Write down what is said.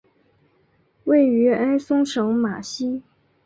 位于埃松省马西。